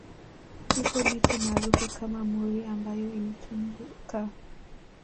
Ipo miti maarufu kama mwori ambayo ilitumika